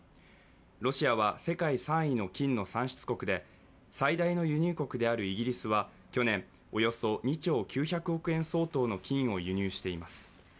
ロシアは、世界３位の金の産出国で最大の輸入国であるイギリスは去年、およそ２兆９００億円相当の金を輸入しています。